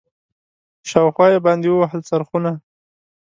شاوخوا یې باندي ووهل څرخونه